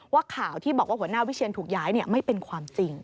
ว่าข่าวที่บอกว่าหัวหน้าวิเชียนถูกย้ายไม่เป็นความจริง